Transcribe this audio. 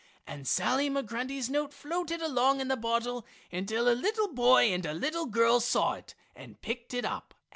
And Sally Migrundy's note floated along in the bottle until a little boy and a little girl saw it and picked it up.